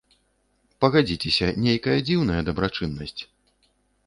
Пагадзіцеся, нейкая дзіўная дабрачыннасць.